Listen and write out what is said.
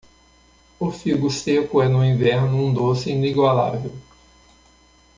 O figo seco é no inverno um doce inigualável.